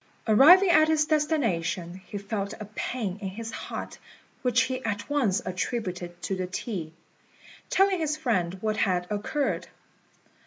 Arriving at his destination, he felt a pain in his heart, which he at once attributed to the tea, telling his friend what had occurred.